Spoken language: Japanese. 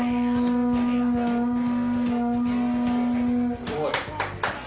すごい。